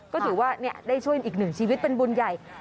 ก็ถือว่าได้ช่วยอีกหนึ่งชีวิตเป็นบุญใหญ่